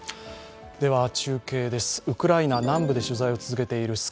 中継です、ウクライナ南部で取材を続けている。